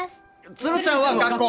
鶴ちゃんは学校！